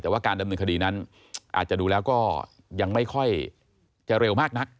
แต่ว่าการดำเนินคดีนั้นอาจจะดูแล้วก็ยังไม่ค่อยจะเร็วมากนัก